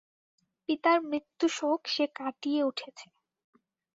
পিতার মৃত্যুশোক সে কাটিয়ে উঠেছে।